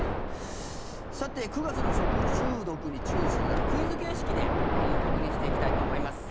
さて、９月の食中毒に注意するためクイズ形式で確認していきたいと思います。